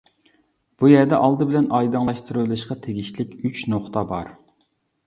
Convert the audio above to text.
بۇ يەردە ئالدى بىلەن ئايدىڭلاشتۇرۇۋېلىشقا تېگىشلىك ئۈچ نۇقتا بار.